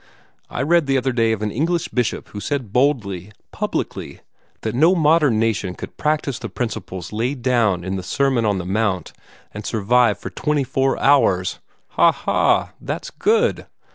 I read the other day of an English bishop who said boldly, publicly, that no modern nation could practise the principles laid down in the Sermon on the Mount and survive for twenty four hours." "Ha, ha! That's good!"